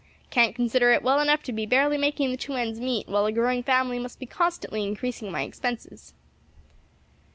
"Can't consider it well enough to be barely making the two ends meet while a growing family must be constantly increasing my expenses."